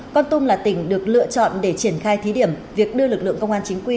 con tum là tỉnh được lựa chọn để triển khai thí điểm việc đưa lực lượng công an chính quy